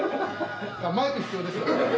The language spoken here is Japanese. マイク必要ですか？